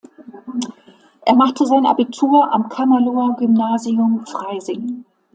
Er machte sein Abitur am Camerloher-Gymnasium Freising.